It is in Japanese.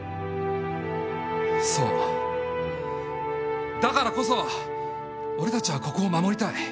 そうだからこそ俺たちはここを守りたい。